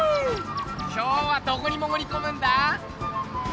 今日はどこにもぐりこむんだ？